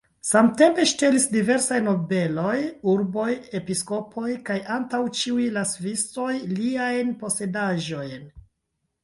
Samtempe ŝtelis diversaj nobeloj, urboj, episkopoj kaj antaŭ ĉiuj la Svisoj liajn posedaĵojn.